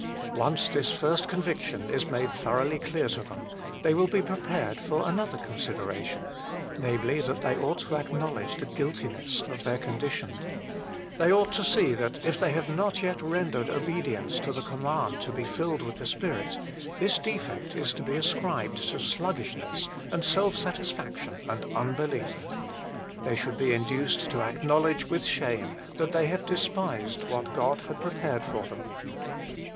Once this first conviction is made thoroughly clear to them, they will be prepared for another consideration namely, that they ought to acknowledge the guiltiness of their condition. They ought to see that if they have not yet rendered obedience to the command to " be filled with the Spirit," this defect is to be ascribed to HOW IT IS OBTAINED BY US 81 sluggishness, and self satisfaction, and unbelief. They should be induced to acknowledge with shame that they have despised what God had prepared for them.